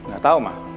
gak tau ma